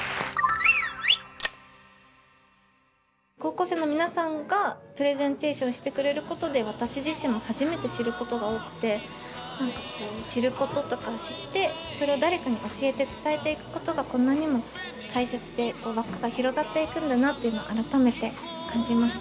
高校生の皆さんがプレゼンテーションしてくれることで私自身も初めて知ることが多くて知ることとか知ってそれを誰かに教えて伝えていくことがこんなにも大切で輪っかが広がっていくんだなっていうのを改めて感じました。